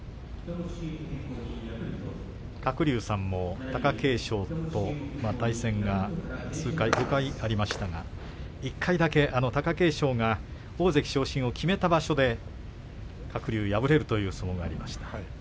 鶴竜さんも貴景勝と対戦が５回ありましたが１回だけ貴景勝が大関昇進を決めた場所で鶴竜敗れるという相撲がありました。